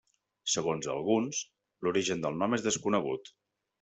Segons alguns, l'origen del nom és desconegut.